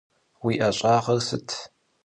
Vui 'eş'ağer sıt?